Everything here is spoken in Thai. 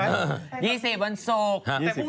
วันที่๒๐วันศุกร์